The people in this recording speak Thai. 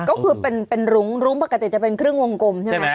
ก็คือเป็นรุ้งรุ้งปกติจะเป็นครึ่งวงกลมใช่ไหม